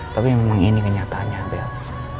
tapi memang ini kenyataannya adalah